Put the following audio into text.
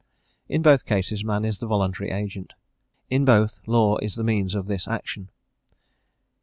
In both cases man is the voluntary agent, in both law is the means of his action.